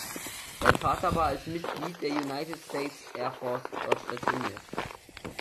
Sein Vater war als Mitglied der United States Air Force dort stationiert.